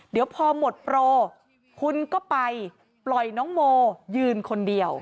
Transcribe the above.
เดี๋ยวพอหมดโปรคุณก็ไปปล่อยน้องโมยืนคนเดียว